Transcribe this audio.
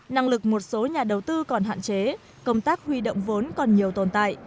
năng lực một số nhà đầu tư còn hạn chế công tác huy động vốn còn nhiều tồn tại